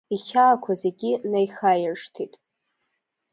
Ихьаақәа зегьы наихаиршҭит.